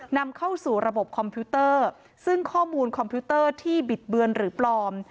นำเข้าสู่ระบบคอมพิวเตอร์ซึ่งข้อมูลคอมพิวเตอร์ที่บิดเบือนหรือปลอม